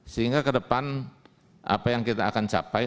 sehingga ke depan apa yang kita akan capai